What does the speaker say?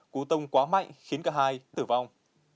cú tông quá mạnh khiến cả hai tử vong